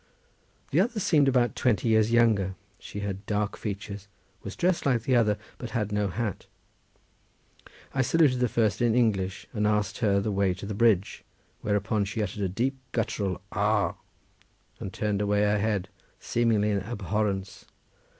The other seemed about twenty years younger; she had dark features, was dressed like the other, but had no hat. I saluted the first in English, and asked her the way to the Bridge. Whereupon she uttered a deep guttural "augh" and turned away her head, seemingly in abhorrence.